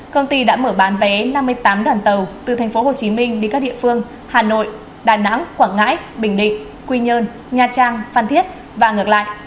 công ty đã mở bán vé năm mươi tám đoàn tàu từ thành phố hồ chí minh đi các địa phương hà nội đà nẵng quảng ngãi bình định quy nhơn nha trang phan thiết và ngược lại